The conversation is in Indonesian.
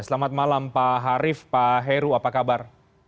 selamat malam pak harif pak heru apa kabar